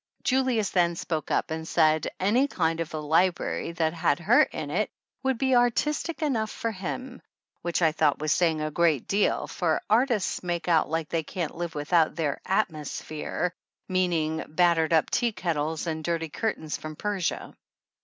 Julius then spoke up and said any kind of a library that had her in it would be artistic enough for him, which I thought was saying a great deal, for artists make out like they can't live without their "at mosphere," meaning battered up tea kettles and dirty curtains from Persia.